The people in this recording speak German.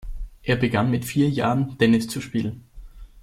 Er begann mit vier Jahren Tennis zu spielen.